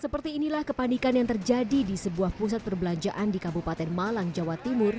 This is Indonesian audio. seperti inilah kepanikan yang terjadi di sebuah pusat perbelanjaan di kabupaten malang jawa timur